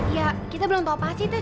iya kita belum tahu apa sih teh